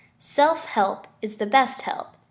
_Self help is the best help.